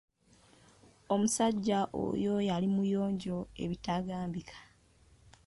Omusajja oyo yali muyonjo ebitambika.